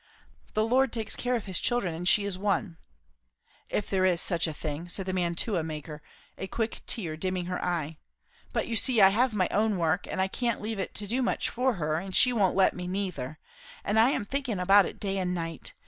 "The Lord takes care of his children; and she is one." "If there is such a thing!" said the mantua maker, a quick tear dimming her eye. "But you see, I have my own work, and I can't leave it to do much for her; and she won't let me, neither; and I am thinkin' about it day and night.